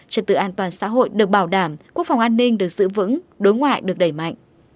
trật tự an toàn xã hội được bảo đảm quốc phòng an ninh được giữ vững đối ngoại được đẩy mạnh